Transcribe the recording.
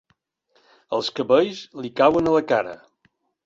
Els cabells li cauen a la cara.